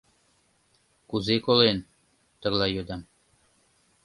— Кузе колен? — тыглай йодам.